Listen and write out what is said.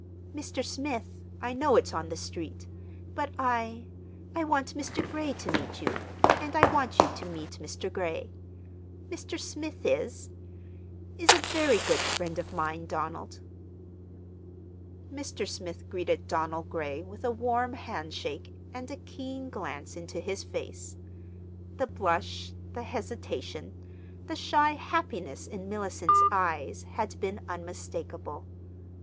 "Mr. Smith, I know it's on the street, but I—I want Mr. Gray to meet you, and I want you to meet Mr. Gray. Mr. Smith is—is a very good friend of mine, Donald." Mr. Smith greeted Donald Gray with a warm handshake and a keen glance into his face. The blush, the hesitation, the shy happiness in Mellicent's eyes had been unmistakable.